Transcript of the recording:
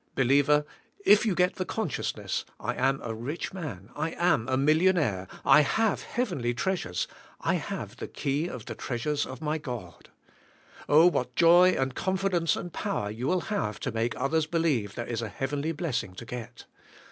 Believer, if you get the conscious ness, I am a rich man, I am a millionaire, I have heavenly treasures, I have the key of the treasures of my God. Oh ! what joy and confidence and power you will have to make others believe there is a heav enly blessing to get.